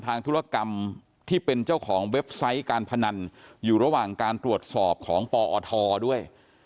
ธุรกรรมที่เป็นเจ้าของเว็บไซต์การพนันอยู่ระหว่างการตรวจสอบของปอทด้วย